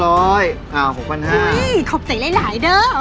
โอ้ยขอบใจหลายเดอะ